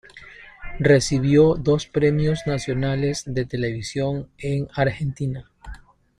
Recibió dos premios nacionales de televisión en Argentina.